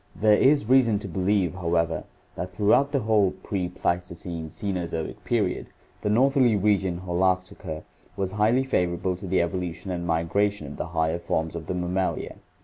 There is reason to believe, however, that through out the whole pre Pleistocene Cenozoic period the northerly region (Holarctica) was highly favorable to the evolution and migration of the higher forms of the Mammalia.